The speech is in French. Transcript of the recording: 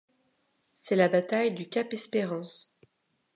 C'est la bataille du cap Espérance.